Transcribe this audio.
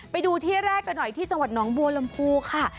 ไปดูที่แรกกันหน่อยที่จังหวัดหนองบัวลำพูค่ะ